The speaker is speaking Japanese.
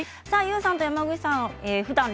ＹＯＵさんと山口さん